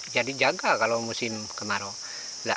jadi jaga kalau musim kemarau